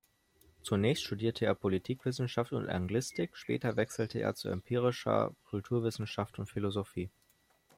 Zunächst studierte er Politikwissenschaft und Anglistik, später wechselte er zu Empirischer Kulturwissenschaft und Philosophie.